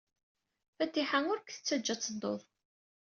Fatiḥa ur k-tettajja ad teddud.